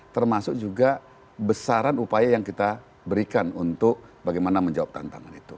termasuk juga besaran upaya yang kita berikan untuk bagaimana menjawab tantangan itu